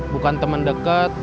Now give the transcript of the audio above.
bukan teman deket